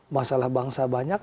masalah bangsa banyak